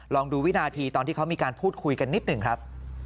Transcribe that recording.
ลองดูวินาทีตอนที่เขามีการพูดคุยกันนิดหนึ่งครับ